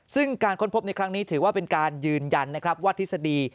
ซึ่งการค้นพบในครั้งนี้ถือว่าเป็นการยืนยันนะครับว่าทฤษฎี